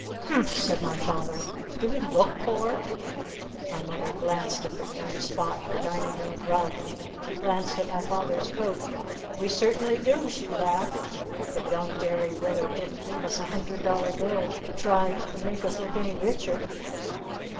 "Humph!" said my father. "Do we look poor?" My mother glanced at the worn spot in the dining room rug. She glanced at my father's coat. "We certainly do!" she laughed. "But young Derry Willard didn't leave us a hundred dollar bill to try and make us look any richer.